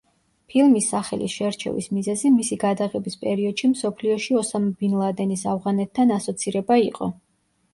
ფილმის სახელის შერჩევის მიზეზი მისი გადაღების პერიოდში მსოფლიოში ოსამა ბინ ლადენის ავღანეთთან ასოცირება იყო.